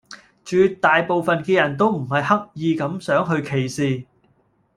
絕大部份嘅人都唔係刻意咁想去歧視